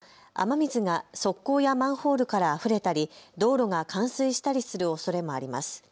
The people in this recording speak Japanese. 雨が急激に強まると雨水が側溝やマンホールからあふれたり道路が冠水したりするおそれもあります。